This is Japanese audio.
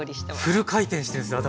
フル回転してるんですね頭。